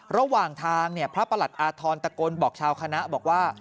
ระหว่างทางพระประหลัดอาธรณ์ตะโกนบอกชาวคณะบอกว่า